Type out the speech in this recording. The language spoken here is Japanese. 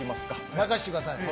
任せてください。